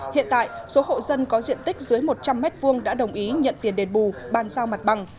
hiện tại số hộ dân có diện tích dưới một trăm linh m hai đã đồng ý nhận tiền đền bù ban giao mặt bằng